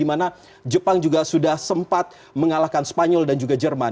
karena sempat mengalahkan spanyol dan juga jerman